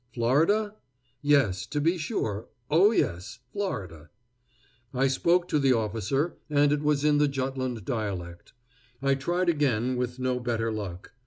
Florida? Yes, to be sure; oh, yes, Florida. I spoke to the officer, and it was in the Jutland dialect. I tried again, with no better luck.